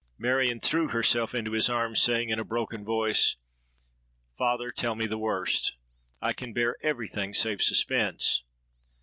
Marion threw herself into his arms, saying in a broken voice, 'Father, tell me the worst: I can bear every thing save suspense.'